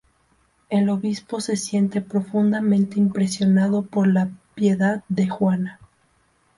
El obispo se siente profundamente impresionado por la piedad de Juana.